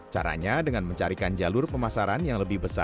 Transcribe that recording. caranya dengan mencarikan jalur pemasaran yang lebih besar